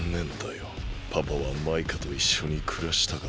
パパはマイカといっしょにくらしたかった。